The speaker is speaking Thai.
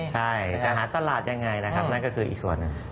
ใช่จะหาตลาดอย่างไรนั่นก็คืออีกส่วนนึง